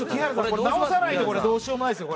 これ直さないとどうしようもないすよ